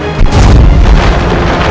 dia kemungkinan apapi